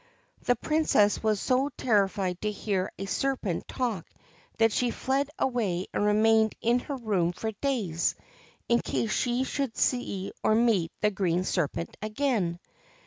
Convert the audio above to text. The Princess was so terrified to hear a serpent talk that she fled away and remained in her room for days, in case she should see or meet the green serpent again.